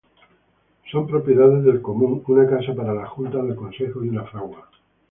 Son propiedades del común una casa para las Juntas del Consejo y una fragua.